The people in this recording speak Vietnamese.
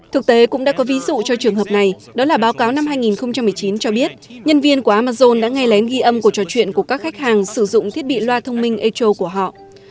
thực tế cũng đã có ví dụ cho trường hợp này đó là báo cáo năm hai nghìn một mươi chín cho biết nhân viên của amazon đã ngay lén ghi âm của trò chuyện của các khách hàng sử dụng thiết bị loa thông minh atro của họ